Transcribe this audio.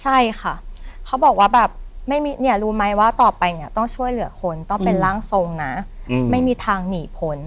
ใช่ค่ะเขาบอกว่าแบบเนี่ยรู้ไหมว่าต่อไปเนี่ยต้องช่วยเหลือคนต้องเป็นร่างทรงนะไม่มีทางหนีผล